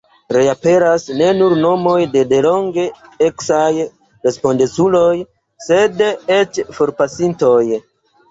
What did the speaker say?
Reaperas ne nur nomoj de delonge eksaj respondeculoj, sed eĉ forpasintoj.